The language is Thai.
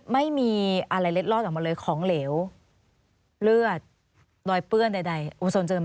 ไม่มีอะไรเล็ดลอดออกมาเลยของเหลวเลือดรอยเปื้อนใดอูสนเจอไหม